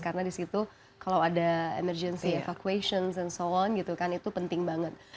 karena disitu kalau ada emergency evacuation and so on gitu kan itu penting banget